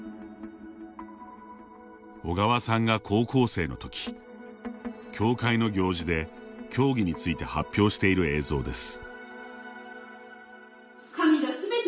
小川さんが高校生のとき教会の行事で教義について発表している映像です。